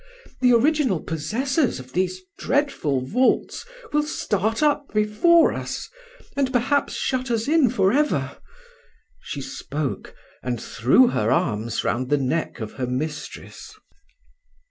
The original possessors of these dreadful vaults will start up before us, and perhaps shut us in for ever." She spoke, and threw her arms round the neck of her mistress.